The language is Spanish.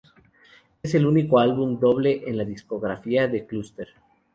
Es el único álbum doble en la discografía de Cluster.